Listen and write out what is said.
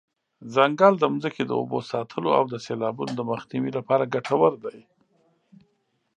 ځنګل د ځمکې د اوبو ساتلو او د سیلابونو د مخنیوي لپاره ګټور دی.